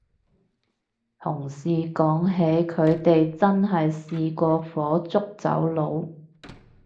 同事講起佢哋真係試過火燭走佬